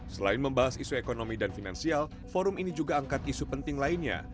selain membahas isu ekonomi dan finansial forum ini juga angkat isu penting lainnya